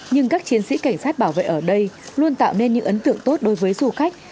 nhưng các chiến sĩ cảnh sát bảo vệ ở đây luôn tạo nên những ấn tượng tốt đối với du khách